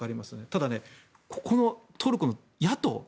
ただ、ここのトルコの野党